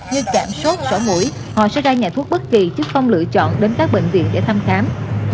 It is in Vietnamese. như cảm sốt sỏ mũi họ sẽ ra nhà thuốc bất kỳ chứ không lựa chọn đến các bệnh viện để thăm khám